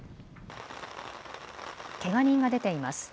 けが人が出ています。